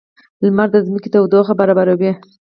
• لمر د ځمکې تودوخه برابروي.